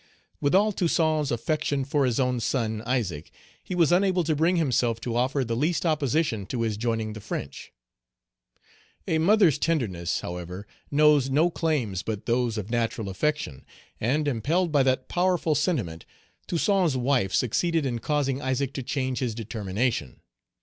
With all Toussaint's affection for his own son, Isaac, he was unable to bring himself to offer the least opposition to his joining the French. A mother's tenderness, however, knows no claims but those of natural affection, and, impelled by that powerful sentiment, Toussaint's wife succeeded in causing Isaac to change his determination.